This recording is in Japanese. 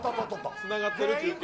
つながってる中継？